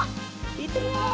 いってみよう！